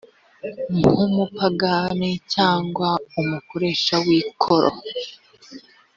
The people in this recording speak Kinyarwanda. nk umupagani cyangwa umukoresha w ikoro